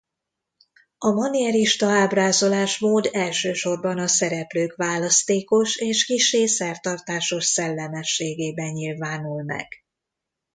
A manierista ábrázolásmód elsősorban a szereplők választékos és kissé szertartásos szellemességében nyilvánul meg.